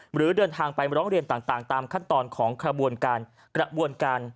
หรือเดินทางไปมาร้องเรียนต่างตามขั้นตอนของกระบวนการ